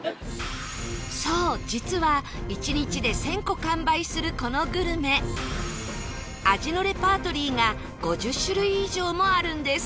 そう実は１日で１０００個完売するこのグルメ味のレパートリーが５０種類以上もあるんです